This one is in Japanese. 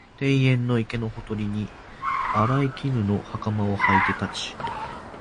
庭園の池のほとりに、荒い縞の袴をはいて立ち、